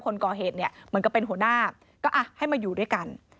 คนก่อเหตุเนี่ยเหมือนกับเป็นหัวหน้าก็อ่ะให้มาอยู่ด้วยกัน